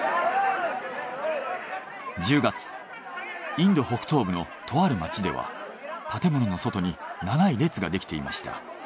インド北東部のとある街では建物の外に長い列ができていました。